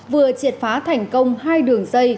vừa triệt phá thành công hai đường dây